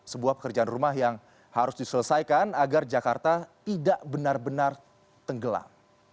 sebuah pekerjaan rumah yang harus diselesaikan agar jakarta tidak benar benar tenggelam